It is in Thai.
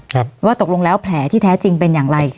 ครับว่าตกลงแล้วแผลที่แท้จริงเป็นอะไร